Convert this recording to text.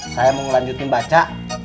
saya mau lanjutin baca